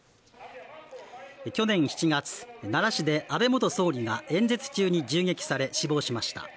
去年７月奈良市で安倍元総理が演説中に銃撃され死亡しました。